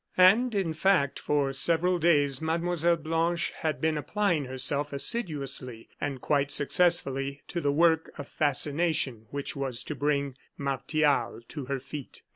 And, in fact, for several days Mlle. Blanche had been applying herself assiduously and quite successfully to the work of fascination which was to bring Martial to her feet.